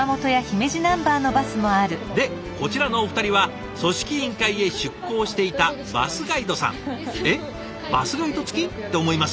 でこちらのお二人は組織委員会へ出向していた「えっバスガイド付き？」って思いますよね？